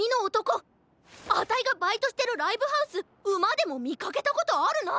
あたいがバイトしてるライブハウスＵＭＡでもみかけたことあるな！